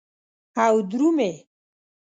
او درومې